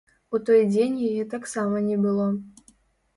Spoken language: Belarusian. У той дзень яе таксама не было.